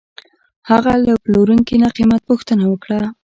هغه له پلورونکي نه قیمت پوښتنه وکړه.